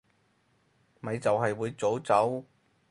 咪就係會早走